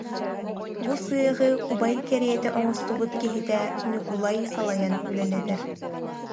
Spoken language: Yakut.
Бу сыаҕы убай кэриэтэ оҥостубут киһитэ Ньукулай салайан үлэлэтэр